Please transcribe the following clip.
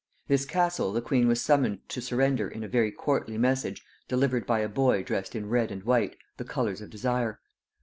This castle the queen was summoned to surrender in a very courtly message delivered by a boy dressed in red and white, the colours of Desire.